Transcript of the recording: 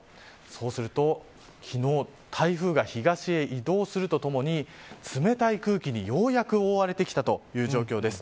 そうすると、昨日台風が東へ移動するとともに冷たい空気に、ようやく覆われてきたという状況です。